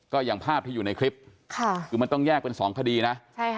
ก็อย่างภาพที่อยู่ในคลิปค่ะคือมันต้องแยกเป็นสองคดีนะใช่ค่ะ